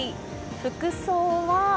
服装は？